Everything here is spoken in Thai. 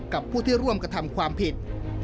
กับผู้ที่ร่วมกระทำความผิด